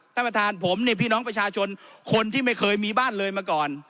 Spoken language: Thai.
ท่านประธานผมเนี่ยพี่น้องประชาชนคนที่ไม่เคยมีบ้านเลยมาก่อน